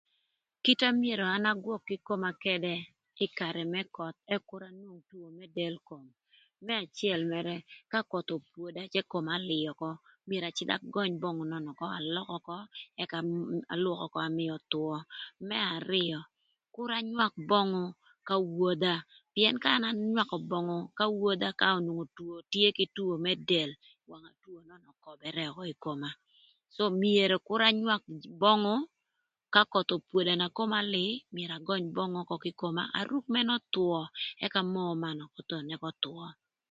Kite myero agwök kï koma këdë ï karë më koth ëk kür del koma öbal, më acël mërë ka köth opwoda cë koma lïï ökö myero acïdh agöny böngü nön alök ökö ëk alwök ökö amïï öthwö, më arïö kür anywak böngü k'awodha pïën ka an anywakö böngü k'awodha ka onwongo do tye kï two më del nwongo two ököbërë ökö ï koma thon myero kür anywak böngü ka köth opwoda na koma ölïï myero agöny böngü ökö kï koma aruk mënë öthwö ëk amoo man ëk öthwö.